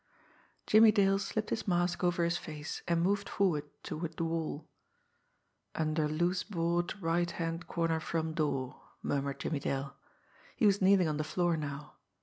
Jimmie Dale slipped his mask over his face, and moved forward toward the wall. "Under loose board, right hand corner from door," murmured Jimmie Dale. He was kneeling on the floor now.